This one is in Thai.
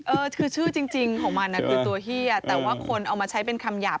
เออคือชื่อจริงของมันคือตัวเฮียแต่ว่าคนเอามาใช้เป็นคำหยาบ